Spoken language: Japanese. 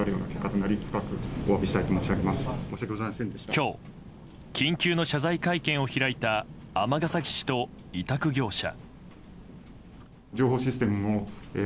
今日、緊急の謝罪会見を開いた尼崎市と委託業者。